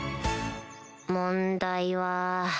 問題は